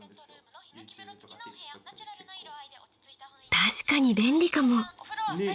［確かに便利かも］